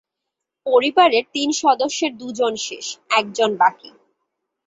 পরিবারের তিন সদস্যের দু জন শেষ, একজন বাকি।